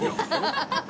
ハハハハ！